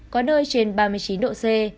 có nơi trên ba mươi chín độ c